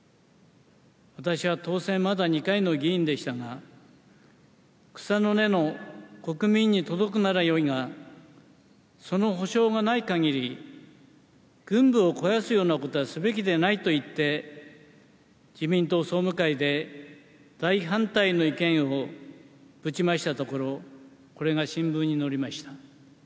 私は当選まだ２回の議員でしたが、草の根の国民に届くならよいが、その保証がないかぎり、軍部を肥やすようなことはすべきではないと言って、自民党総務会で大反対の意見をうちましたところ、これが新聞に載りました。